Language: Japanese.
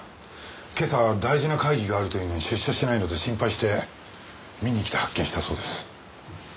今朝大事な会議があるというのに出社しないので心配して見に来て発見したそうです。